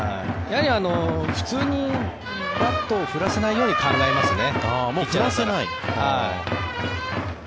普通にバットを振らせないように考えますね。